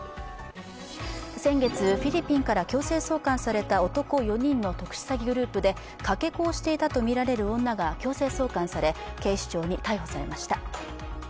先月、フィリピンから強制送還された男４人の特殊詐欺グループでかけ子をしていたとみられる女が強制送還され警視庁に逮捕されました。